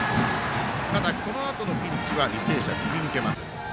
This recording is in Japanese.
ただ、このあとのピンチは履正社、切り抜けます。